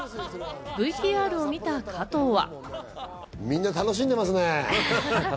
ＶＴＲを見た加藤は。